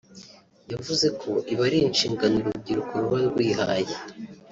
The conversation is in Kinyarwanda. yavuze ko ibi ari inshingano urubyiruko ruba rwihaye